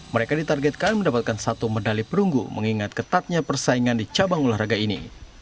mereka ditargetkan mendapatkan satu medali perunggu mengingat ketatnya persaingan di cabang olahraga ini